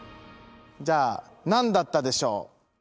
じゃあ何だったでしょう？